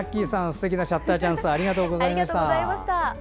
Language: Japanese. すてきなシャッターチャンスをありがとうございました。